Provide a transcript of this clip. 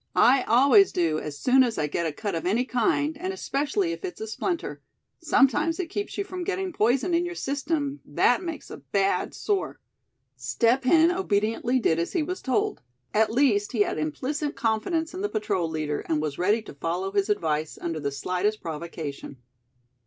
"I always do as soon as I get a cut of any kind, and especially if it's a splinter. Sometimes it keeps you from getting poison in your system, that makes a bad sore." Step Hen obediently did as he was told. At least he had implicit confidence in the patrol leader, and was ready to follow his advice under the slightest provocation.